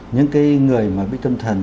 những cái người mà bị tâm thần